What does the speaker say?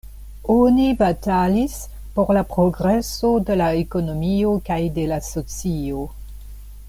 Oni batalis por la progreso de la ekonomio kaj de la socio.